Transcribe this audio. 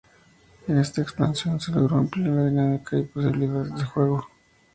En esta expansión se logró ampliar la dinámica y las posibilidades del juego.